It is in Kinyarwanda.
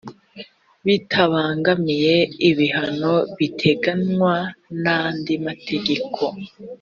bitabangamiye ibihano biteganywa n’andi mategeko